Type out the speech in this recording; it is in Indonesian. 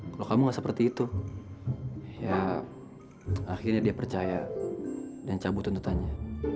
kalau kamu nggak seperti itu ya akhirnya dia percaya dan cabut tuntutannya